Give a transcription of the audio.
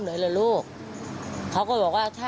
เรื่องเหยื่ออีกอยู่มุมว่ะค่ะ